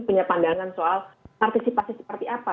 punya pandangan soal partisipasi seperti apa